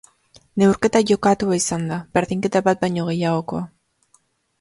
Neurketa jokatua izan da, berdinketa bat baino gehiagokoa.